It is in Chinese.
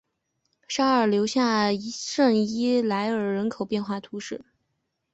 沙尔留下圣伊莱尔人口变化图示